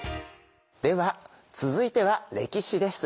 では続いては歴史です。